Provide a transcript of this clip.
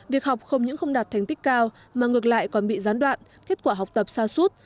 việc học không những không đạt thành tích cao mà ngược lại còn bị gián đoạn kết quả học tập xa suốt